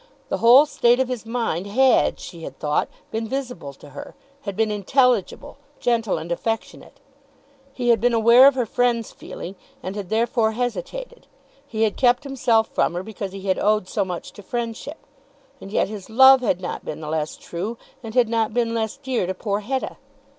The whole state of his mind had, she had thought, been visible to her, had been intelligible, gentle, and affectionate. He had been aware of her friends' feeling, and had therefore hesitated. He had kept himself from her because he had owed so much to friendship. And yet his love had not been the less true, and had not been less dear to poor Hetta.